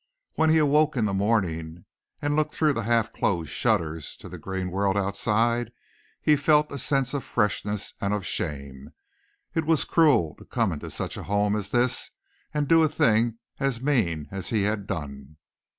When he awoke in the morning and looked through the half closed shutters to the green world outside he felt a sense of freshness and of shame. It was cruel to come into such a home as this and do a thing as mean as he had done.